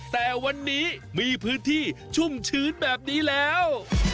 แต่วันนี้มีพื้นที่ชุ่มชื้นแบบนี้แล้ว